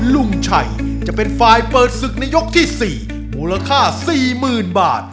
ลุงชัยจะเป็นฝ่ายเปิดศึกในยกที่๔มูลค่า๔๐๐๐บาท